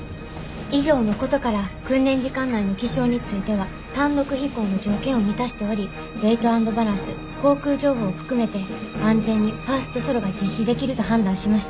以上のことから訓練時間内の気象については単独飛行の条件を満たしておりウエイト＆バランス航空情報を含めて安全にファーストソロが実施できると判断しました。